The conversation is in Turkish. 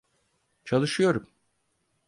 Çalışıyorum.